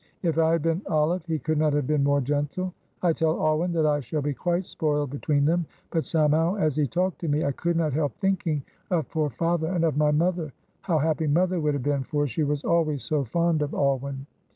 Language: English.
If I had been Olive he could not have been more gentle. I tell Alwyn that I shall be quite spoiled between them, but somehow as he talked to me I could not help thinking of poor father and of my mother. How happy mother would have been, for she was always so fond of Alwyn."